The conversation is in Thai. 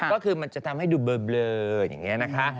ก็คือมันจะทำให้ดูเบลออย่างนี้นะคะ